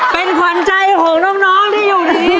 เป็นขวัญใจของน้องที่อยู่นี้เลยนะ